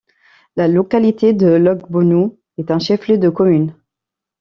La localité de Logbonou est un chef-lieu de commune.